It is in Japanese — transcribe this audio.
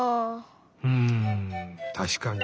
うんたしかに。